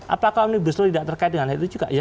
apakah omnibus law tidak terkait dengan itu juga